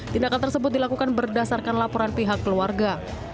tindakan tersebut dilakukan berdasarkan laporan pihak keluarga